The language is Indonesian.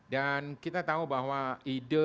dan kita tahu bahwa ide